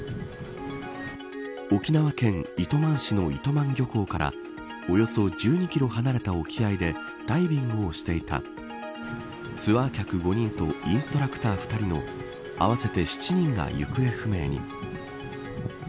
沖縄県糸満市の糸満漁港からおよそ１２キロ離れた沖合でダイビングをしていたツアー客５人とインストラクター２人の合わせて７人が行方不明に。